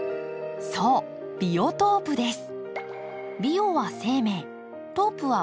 そうビオトープです。